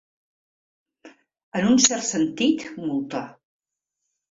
En un cert sentit, multa.